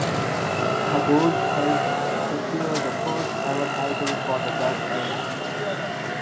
Her goals helped secure the first ever title for the Dutch women.